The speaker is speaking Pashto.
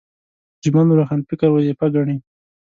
ژمن روښانفکر وظیفه ګڼي